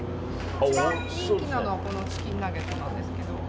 一番人気なのはチキンナゲットなんですけど。